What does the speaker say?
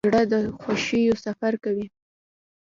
زړه د خوښیو سفر کوي.